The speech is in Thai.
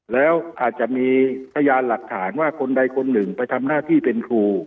แล้วอาจจะมีพยานหลักฐานว่าคนใดคนหนึ่งไปทำหน้าที่เป็นครู